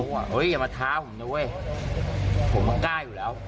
อย่ามาท้าผมนะเว้ยผมมันกล้าอยู่แล้ว